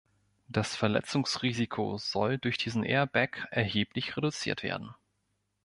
Das Verletzungsrisiko soll durch diesen Airbag erheblich reduziert werden.